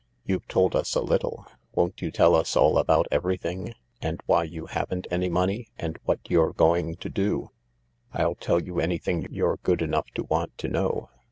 You've told us a little — won't you tell us all about everything, and why you haven't any money, and what you're going to do ?"" I'll tell you anything you're good enough to want to know.